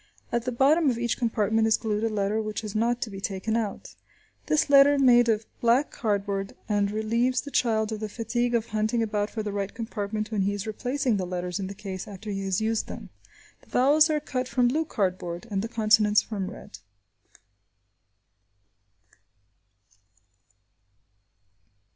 At the bottom of each compartment is glued a letter which is not to be taken out. This letter is made of black cardboard and relieves the child of the fatigue of hunting about for the right compartment when he is replacing the letters in the case after he has used them. The vowels are cut from blue cardboard, and the consonants from red.